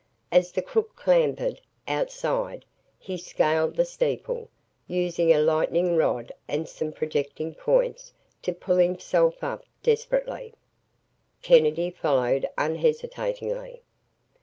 As the crook clambered outside, he scaled the steeple, using a lightning rod and some projecting points to pull himself up, desperately. Kennedy followed unhesitatingly.